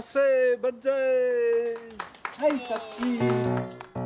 ばんざい！